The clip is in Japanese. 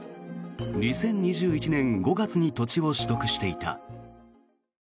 ２０２１年５月に土地を取得していた。